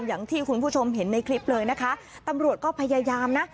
อย่างที่คุณผู้ชมเห็นในคลิปเลยนะคะตำรวจก็พยายามนะ